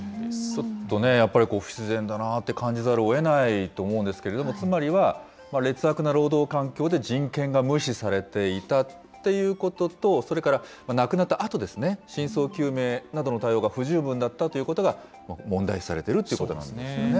ちょっとね、やっぱり不自然だなって感じざるをえないと思うんですけど、つまりは劣悪な労働環境で人権が無視されていたということと、それから亡くなったあとですね、真相究明などの対応が不十分だったということが問題視されているそうですね。